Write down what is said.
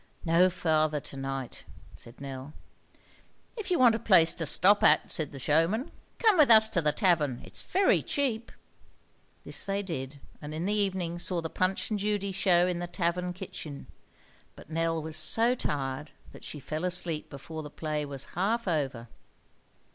"No farther to night," said Nell. "If you want a place to stop at," said the showman, "come with us to the tavern. It's very cheap." This they did, and in the evening saw the Punch and Judy show in the tavern kitchen; but Nell was so tired that she fell asleep before the play was half over.